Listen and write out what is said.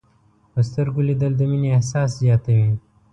په سترګو لیدل د مینې احساس زیاتوي